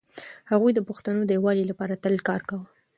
هغوی د پښتنو د يووالي لپاره تل کار کاوه.